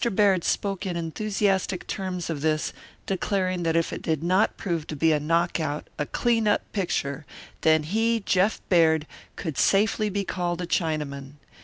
Baird spoke in enthusiastic terms of this, declaring that if it did not prove to be a knock out a clean up picture then he, Jeff Baird, could safely be called a Chinaman.